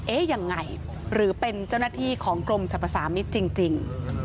ยังไงหรือเป็นเจ้าหน้าที่ของกรมสรรพสามิตรจริง